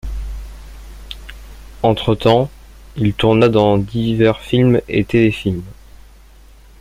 Entre-temps, il tourna dans divers films et téléfilms.